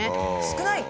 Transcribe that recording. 少ない！